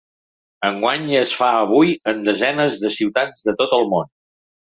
Enguany es fa avui en desenes de ciutats de tot el món.